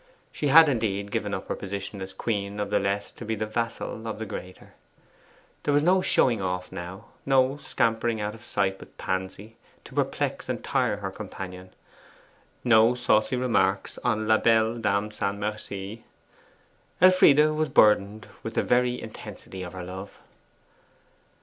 She had, indeed, given up her position as queen of the less to be vassal of the greater. Here was no showing off now; no scampering out of sight with Pansy, to perplex and tire her companion; no saucy remarks on LA BELLE DAME SANS MERCI. Elfride was burdened with the very intensity of her love.